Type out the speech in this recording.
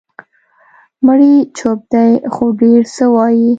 مړی چوپ دی، خو ډېر څه وایي.